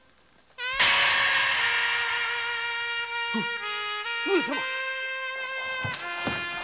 う上様！